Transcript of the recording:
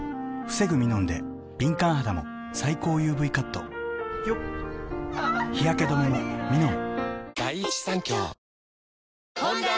防ぐミノンで敏感肌も最高ＵＶカット日焼け止めもミノン！